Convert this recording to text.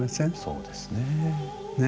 そうですね。ね。